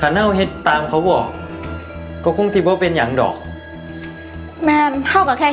ให้เห็ดตามเขาบอก